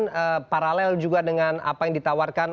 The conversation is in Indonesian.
kemudian paralel juga dengan apa yang ditawarkan